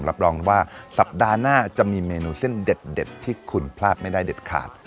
รับรองว่าสัปดาห์หน้าจะมีเมนูเส้นเด็ดที่คุณพลาดไม่ได้เด็ดขาด